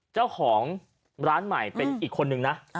เจ้าของร้านใหม่เป็นอีกคนนึงนะ